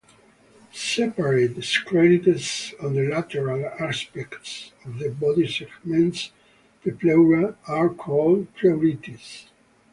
Separate sclerites on the lateral aspects of body segments, the pleura, are called "pleurites".